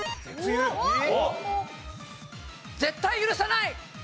おっ！絶対許さない！